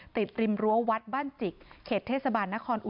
ติดริมรั้ววัดบ้านจิกเข็ดเทศบาลนครอบอุดรธานี